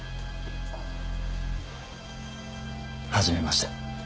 初めまして。